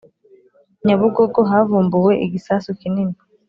Nyabugogo havumbuwe igisasu kinini